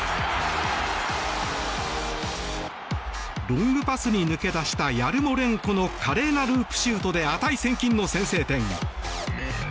ロングパスに抜け出したヤルモレンコの華麗なるループシュートで値千金の先制点。